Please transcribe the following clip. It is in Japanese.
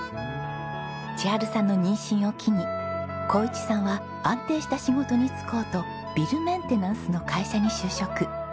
千春さんの妊娠を機に紘一さんは安定した仕事に就こうとビルメンテナンスの会社に就職。